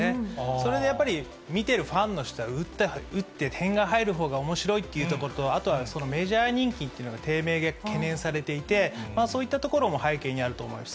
それでやっぱり、見てるファンの人は、打って点が入る方がおもしろいっていうとこと、あとはメジャー人気っていうのが、低迷が懸念されていて、そういったところも背景にあると思います。